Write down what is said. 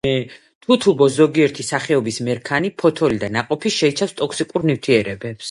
თუთუბოს ზოგიერთი სახეობის მერქანი, ფოთოლი და ნაყოფი შეიცავს ტოქსიკურ ნივთიერებებს.